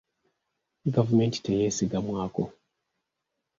Gavumenti teyeesigamwako.